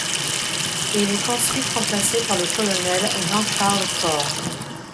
Il est ensuite remplacé par le colonel Jean-Charles Faure.